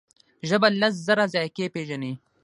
ژبه لس زره ذایقې پېژني.